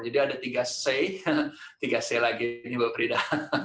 jadi ada tiga c tiga c lagi ini bu frida